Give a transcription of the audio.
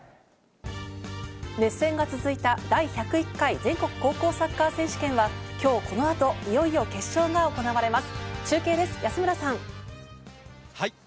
熱戦が続いた第１０１回全国高校サッカー選手権は今日この後、いよいよ決勝が行われます。